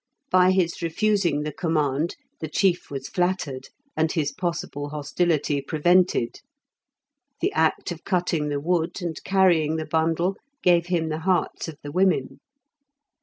By his refusing the command the chief was flattered, and his possible hostility prevented. The act of cutting the wood and carrying the bundle gave him the hearts of the women.